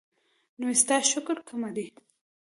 نو ستا شکر کومه دی؟